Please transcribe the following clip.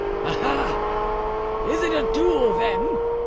"Aha! It is a duel, then?"